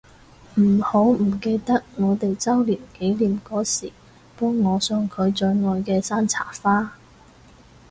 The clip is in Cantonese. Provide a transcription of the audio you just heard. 唔好唔記得我哋週年紀念嗰時幫我送佢最愛嘅山茶花